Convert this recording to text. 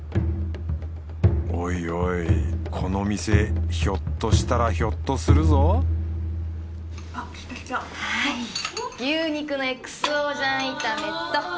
おいおいこの店ひょっとしたらひょっとするぞあっきたきた。